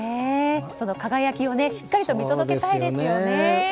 その輝きをしっかりと見届けたいですね。